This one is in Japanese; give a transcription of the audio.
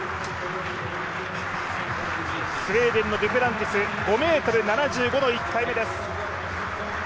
スウェーデンのデュプランティス、５ｍ７５の１回目です。